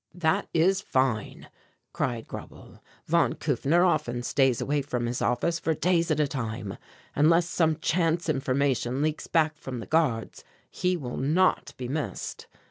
"That is fine," cried Grauble; "von Kufner often stays away from his office for days at a time. Unless some chance information leaks back from the guards, he will not be missed.